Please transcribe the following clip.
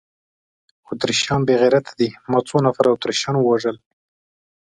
اتریشیان بې غیرته دي، ما څو نفره اتریشیان ووژل؟